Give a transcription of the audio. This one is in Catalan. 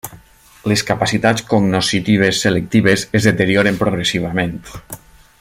Les capacitats cognoscitives selectives es deterioren progressivament.